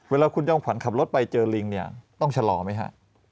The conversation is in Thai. เวลาคุณจอมขวัญขับรถไปเจอลิงเนี่ยต้องชะลอไหมฮะ